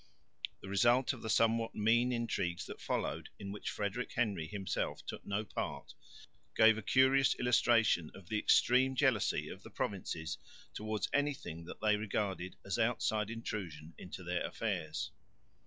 The result of the somewhat mean intrigues that followed, in which Frederick Henry himself took no part, gave a curious illustration of the extreme jealousy of the provinces towards anything that they regarded as outside intrusion into their affairs.